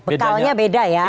bekalnya beda ya